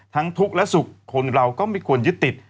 ทุกข์และสุขคนเราก็ไม่ควรยึดติด